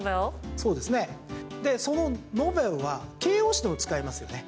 そうですねそのノベルは形容詞としても使えますよね。